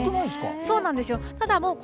そうなんですよ。